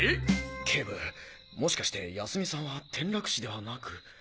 警部もしかして泰美さんは転落死ではなく。